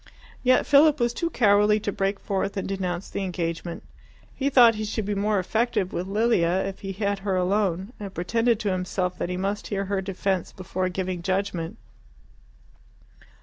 Yet Philip was too cowardly to break forth and denounce the engagement. He thought he should be more effective with Lilia if he had her alone, and pretended to himself that he must hear her defence before giving judgment.